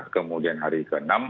kemudian hari ke enam